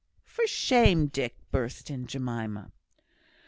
"For shame! Dick," burst in Jemima.